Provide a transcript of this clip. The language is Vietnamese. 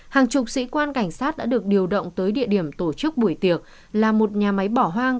hàng chục sĩ quan cảnh sát đã được điều động tới địa điểm tổ chức buổi tiệc là một nhà máy bỏ hoang